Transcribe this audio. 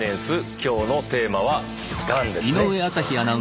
今日のテーマは「がん」ですね井上さん。